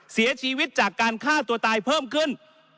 เสียชีวิตจากการฆ่าตัวตายเพิ่มขึ้น